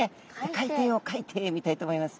海底を描いてみたいと思います。